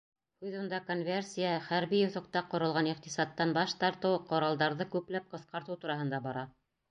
Һүҙ унда конверсия, хәрби юҫыҡта ҡоролған иҡтисадтан баш тартыу, ҡоралдарҙы күпләп ҡыҫҡартыу тураһында бара.